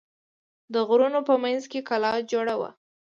د غرونو په منځ کې کلا جوړه وه.